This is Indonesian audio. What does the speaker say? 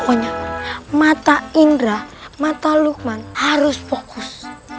pokoknya mata indra mata lukman harus fokus